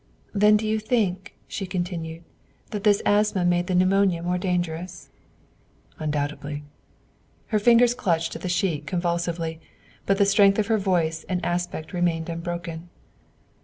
"Then do you think," she continued, "that this asthma made the pneumonia more dangerous?" "Undoubtedly." Her fingers clutched at the sheet convulsively; but the strength of her voice and aspect remained unbroken.